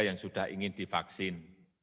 yang sudah ingin divaksin